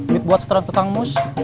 miep buat seteran tekan mus